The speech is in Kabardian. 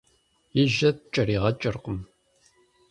И жьэр ткӀэригъэкӀыркъым.